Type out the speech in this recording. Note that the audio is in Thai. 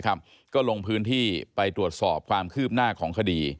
ก็ลงพื้นที่ไปตรวจสอบความคืบหน้าของคดี